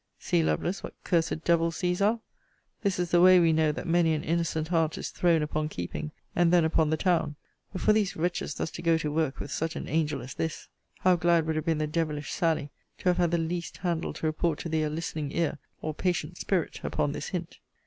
See, Lovelace, what cursed devils these are! This is the way, we know, that many an innocent heart is thrown upon keeping, and then upon the town. But for these wretches thus to go to work with such an angel as this! How glad would have been the devilish Sally, to have had the least handle to report to thee a listening ear, or patient spirit, upon this hint!